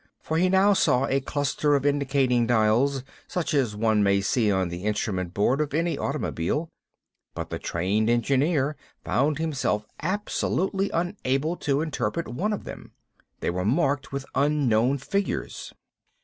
For he now saw a cluster of indicating dials, such as one may see on the instrument board of any automobile; but the trained engineer found himself absolutely unable to interpret one of them. They were marked with unknown figures!